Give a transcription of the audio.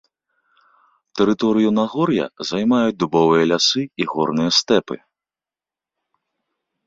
Тэрыторыю нагор'я займаюць дубовыя лясы і горныя стэпы.